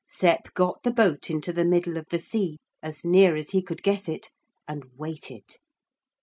Sep got the boat into the middle of the sea as near as he could guess it and waited.